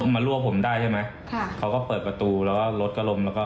มาลั่วผมได้ใช่ไหมเขาก็เปิดประตูแล้วก็ลดกระลม